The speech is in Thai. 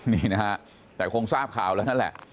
นี่นะฮะแต่คงทราบข่าวแล้วนั่นแหละ